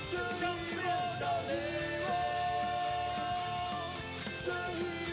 ใครจะตัวอัพพี่